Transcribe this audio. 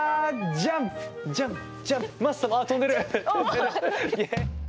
ジャンプジャンプ！